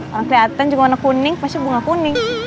orang kelihatan juga warna kuning pasti bunga kuning